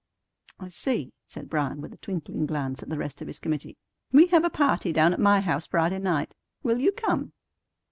"I see," said Bryan, with a twinkling glance at the rest of his committee. "We have a party down at my house Friday night. Will you come?"